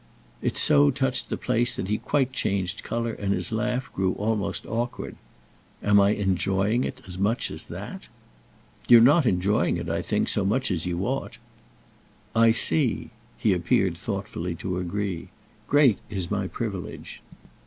It so touched the place that he quite changed colour and his laugh grew almost awkward. "Am I enjoying it as much as that?" "You're not enjoying it, I think, so much as you ought." "I see"—he appeared thoughtfully to agree. "Great is my privilege."